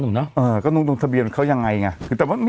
อื้อนุงทะเบียนเขายังไง